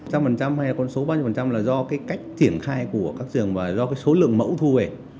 một trăm linh hay con số ba mươi là do cái cách triển khai của các trường và do cái số lượng mẫu thu về